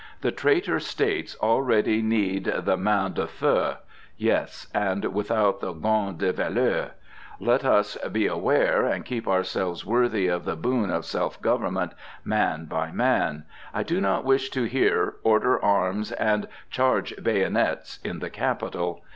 The traitor States already need the main de fer, yes, and without the gant de velours. Let us beware, and keep ourselves worthy of the boon of self government, man by man! I do not wish to hear, "Order arms!" and "Charge bayonets!" in the Capitol.